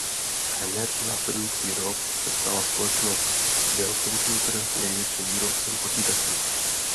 Hned následující rok se stala společnost Dell Computer největším výrobcem počítačů.